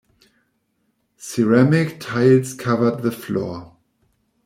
Ceramic tiles covered the floor.